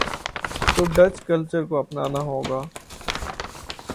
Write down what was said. تو Dutch culture کو اپنا نا ہو گا۔